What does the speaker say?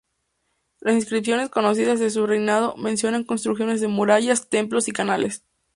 Las inscripciones conocidas de su reinado mencionan construcciones de murallas, templos y canales.